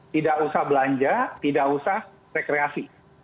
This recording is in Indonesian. tidak usah belanja tidak usah rekreasi